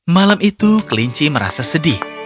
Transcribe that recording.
malam itu kelinci merasa sedih